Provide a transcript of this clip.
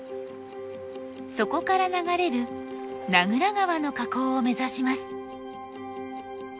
そこから流れる名蔵川の河口を目指します。